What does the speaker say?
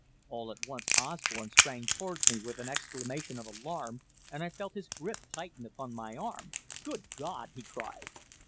All at once Osborne sprang towards me with an exclamation of alarm, and I felt his grip tighten upon my arm. "Good God!" he cried.